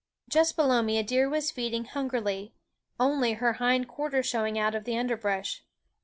Just below me a deer was feeding hungrily, only her hind quarters showing out of the underbrush.